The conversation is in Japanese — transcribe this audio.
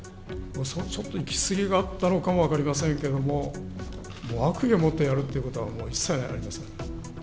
ちょっといき過ぎがあったのかも分かりませんけども、もう悪意を持ってやるということは、もう一切ありません。